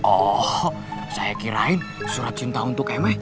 oh saya kirain surat cinta untuk emeh